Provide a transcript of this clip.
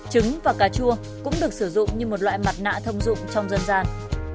trứng và cà chua cũng được sử dụng như một loại mặt nạ thông dụng trong dân gian